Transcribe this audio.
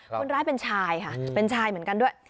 คนร้ายเป็นชายค่ะเป็นชายเหมือนกันด้วย